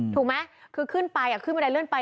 ถูกไหมคือขึ้นไปขึ้นบันไดเลื่อนไป